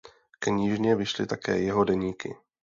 Knižně vyšly také jeho deníky.